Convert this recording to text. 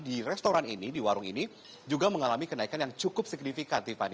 di restoran ini di warung ini juga mengalami kenaikan yang cukup signifikan tiffany